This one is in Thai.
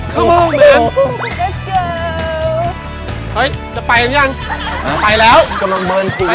เข้าห้องแบนด์เฮ้ยจะไปหรือยังไปแล้วกำลังเบิร์นกูไป